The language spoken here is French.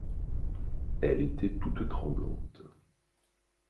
Elle était toute tremblante.